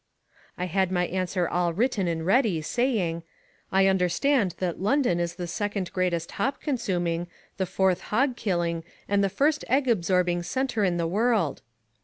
I had my answer all written and ready, saying: "I understand that London is the second greatest hop consuming, the fourth hog killing, and the first egg absorbing centre in the world."